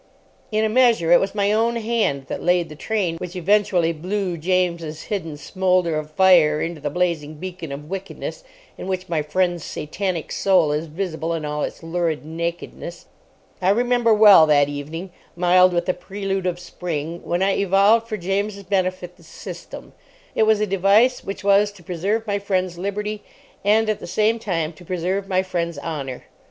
In a measure it was my own hand that laid the train which eventually blew James' hidden smoulder of fire into the blazing beacon of wickedness, in which my friend's Satanic soul is visible in all its lurid nakedness. I remember well that evening, mild with the prelude of spring, when I evolved for James' benefit the System. It was a device which was to preserve my friend's liberty and, at the same time, to preserve my friend's honour.